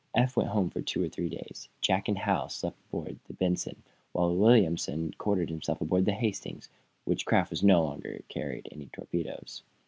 Eph went home for two or three days. Jack and Hal slept on board the "Benson," while Williamson quartered himself aboard the "Hastings," which craft no longer carried any torpedoes.